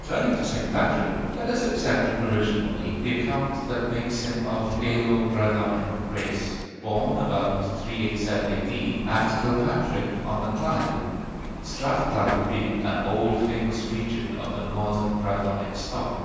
Turning to St. Patrick, let us accept provisionally the account that makes him of Gaelo Brythonic race, born about 387 A.D. at Kilpatrick on the Clyde, Strathclyde being an old famous region of the northern Brythonic stock.